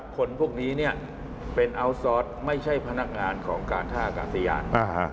คนพวกนี้เป็นอัลซอสไม่ใช่พนักงานของการท่าอากาศยาน